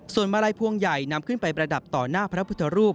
ส่วนมาลัยพวงใหญ่นำขึ้นไปประดับต่อหน้าพระพุทธรูป